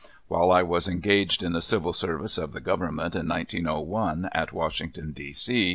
While I was engaged in the Civil Service of the Government, in 1901, at Washington, D. C.